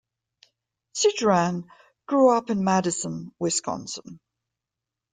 Sidran grew up in Madison, Wisconsin.